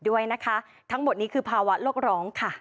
โอ้โฮ